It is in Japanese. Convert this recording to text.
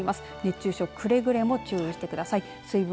熱中症にくれぐれも注意してください。